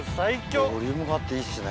ボリュームがあっていいですね